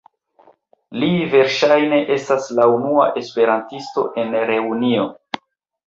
Li verŝajne estas la unua esperantisto en Reunio.